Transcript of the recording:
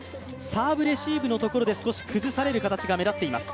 サーブレシーブのところで、少し崩されるところが出ています。